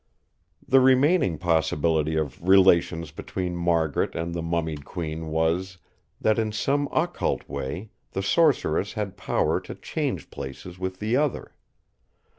The remaining possibility of relations between Margaret and the mummied Queen was, that in some occult way the Sorceress had power to change places with the other.